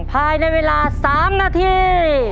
ภายในเวลา๓นาที